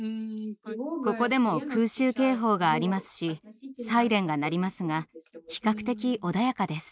ここでも空襲警報がありますしサイレンが鳴りますが比較的穏やかです。